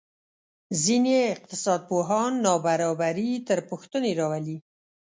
ځینې اقتصادپوهان نابرابري تر پوښتنې راولي.